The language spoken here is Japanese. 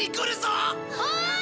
おい！